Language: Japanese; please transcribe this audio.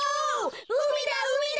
うみだうみだ！